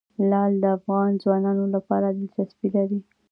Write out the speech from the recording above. لعل د افغان ځوانانو لپاره دلچسپي لري.